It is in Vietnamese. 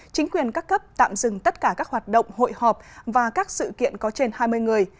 chính quyền các cấp tạm dừng tất cả các hoạt động hội họp và các sự kiện có trên hai mươi người